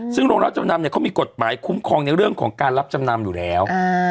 ซึ่งโรงรับจำนำเนี่ยเขามีกฎหมายคุ้มครองในเรื่องของการรับจำนำอยู่แล้ว